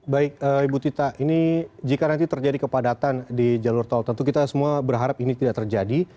baik ibu tita ini jika nanti terjadi kepadatan di jalur tol tentu kita semua berharap ini tidak terjadi